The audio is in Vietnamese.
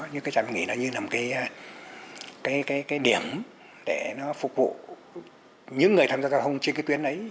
những trạm dừng nghỉ là một điểm để phục vụ những người tham gia giao thông trên tuyến ấy